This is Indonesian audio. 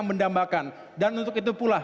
mendambakan dan untuk itu pula